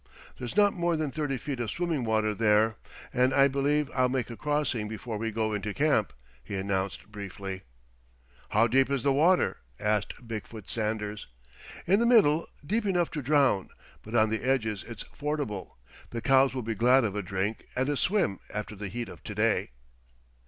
"There's not more than thirty feet of swimming water there, and I believe I'll make a crossing before we go into camp," he announced briefly. "How deep is the water?" asked Big foot Sanders. "In the middle, deep enough to drown, but on the edges it's fordable. The cows will be glad of a drink and a swim after the heat of to day."